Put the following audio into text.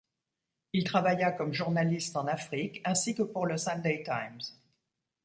Il travailla comme journaliste en Afrique ainsi que pour le Sunday Times.